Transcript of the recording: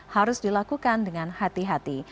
harus dilakukan dengan hati hati